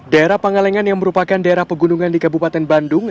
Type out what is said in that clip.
daerah pangalengan yang merupakan daerah pegunungan di kabupaten bandung